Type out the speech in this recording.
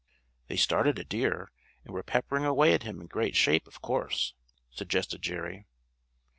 "They started a deer, and were peppering away at him in great shape, of course?" suggested Jerry.